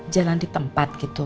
jalan di tempat gitu